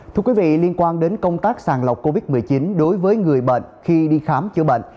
thưa quý vị liên quan đến công tác sàng lọc covid một mươi chín đối với người bệnh khi đi khám chữa bệnh